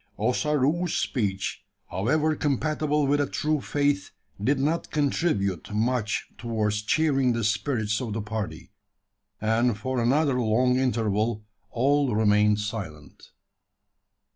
Ossaroo's speech, however compatible with a true faith, did not contribute much towards cheering the spirits of the party; and for another long interval all remained silent.